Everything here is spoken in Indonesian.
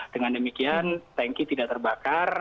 dengan demikian tanki tidak terbakar